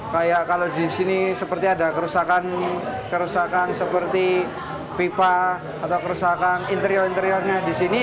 kayak kalau di sini seperti ada kerusakan seperti pipa atau kerusakan interior interiornya di sini